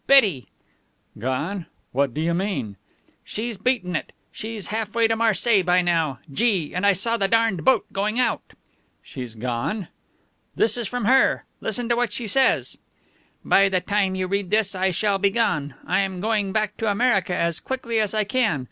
Betty!" "Gone! What do you mean?" "She's beaten it. She's half way to Marseilles by now. Gee, and I saw the darned boat going out!" "She's gone!" "This is from her. Listen what she says: "_By the time you read this I shall be gone. I am going back to America as quickly as I can.